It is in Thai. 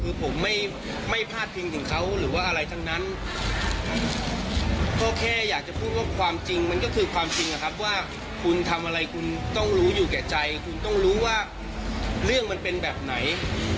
ดีกว่าคุณทำอะไรคุณต้องรู้อยู่แก่ใจคุณต้องรู้ว่าเรื่องมันเป็นแบบไหน